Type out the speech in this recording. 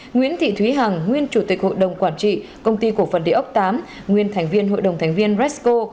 nguyễn thị thúy hằng nguyên chủ tịch hội đồng quản trị công ty cổ phần địa ốc tám nguyên thành viên hội đồng thành viên resco